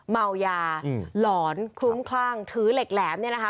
เมายาหลอนคลุ้มคร่างถือเหล็กแหลม